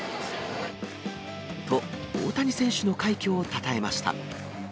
と、大谷選手の快挙をたたえました。